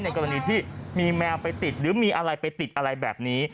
กรณีที่มีแมวไปติดหรือมีอะไรไปติดอะไรแบบนี้